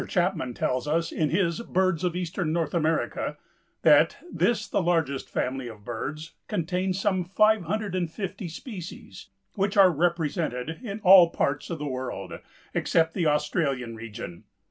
Chapman tells us, in his "Birds of Eastern North America," that "this, the largest family of birds, contains some five hundred and fifty species, which are represented in all parts of the world, except the Australian region.